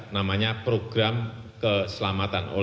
namanya program keselamatan